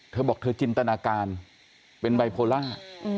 เธอบอกเธอจินตนาการเป็นไบโพล่า